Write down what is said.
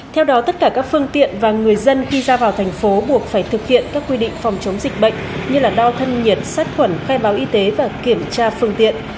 theo đó tất cả các phương tiện và người dân khi ra vào thành phố buộc phải thực hiện các quy định phòng chống dịch bệnh như đo thân nhiệt sát khuẩn khai báo y tế và kiểm tra phương tiện